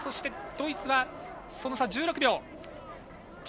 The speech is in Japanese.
ドイツはその差１６秒。